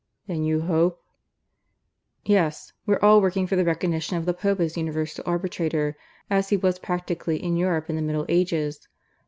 "Then you hope " "Yes. We're all working for the recognition of the Pope as Universal Arbitrator, as he was practically in Europe in the Middle Ages.